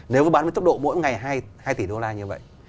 nếu bán với tốc độ mỗi ngày hai tỷ đô la như vậy